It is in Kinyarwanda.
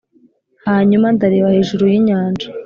hanyuma ndareba hejuru y'inyanja,